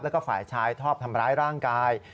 แล้วก็ฝ่ายชายชอบทำร้ายร่างกาย